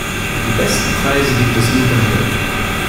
Die besten Preise gibt es nur bei mir!